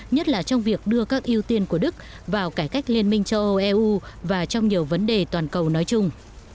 nhất là trong việc đưa các ưu tiên của đức vào cải cách liên minh châu âu eu và trong nhiều vấn đề toàn cầu nói chung